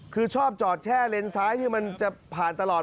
คือชอบจอดแช่เลนซ้ายที่มันจะผ่านตลอด